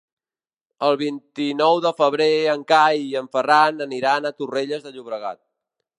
El vint-i-nou de febrer en Cai i en Ferran aniran a Torrelles de Llobregat.